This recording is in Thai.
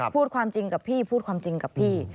พูดความจริงกับพี่พูดความจริงกับพี่